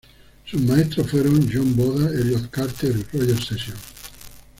Sus maestros fueron John Boda, Elliott Carter, y Roger Sessions.